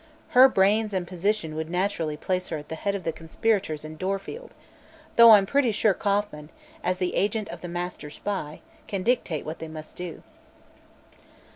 Her brains and position would naturally place her at the head of the conspirators in Dorfield, although I'm pretty sure Kauffman, as the agent of the Master Spy, can dictate what they must do."